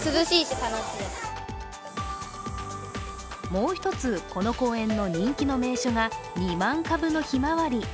もう一つ、この公園の人気の名所が２万株のひまわり。